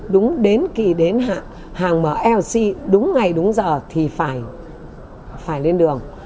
đúng đến kỳ đến hạng hàng mở lc đúng ngày đúng giờ thì phải lên đường